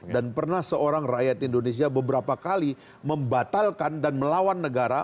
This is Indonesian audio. dan pernah seorang rakyat indonesia beberapa kali membatalkan dan melawan negara